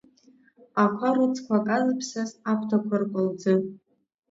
Ақәа рыцқәа казыԥсаз, аԥҭақәа ркәалӡы…